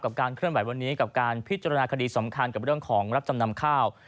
การเคลื่อนไหววันนี้กับการพิจารณาคดีสำคัญกับเรื่องของรับจำนำข้าว